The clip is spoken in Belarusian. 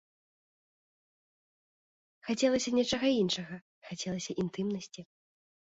Хацелася нечага іншага, хацелася інтымнасці.